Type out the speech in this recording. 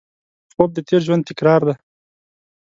خوب د تېر ژوند تکرار دی